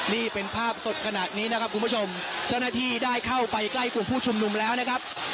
นี่เป็นภาพสดขนาดนี้นะครับคุณผู้ชมเจ้าหน้าที่ได้เข้าไปใกล้กลุ่มผู้ชุมนุมแล้วนะครับ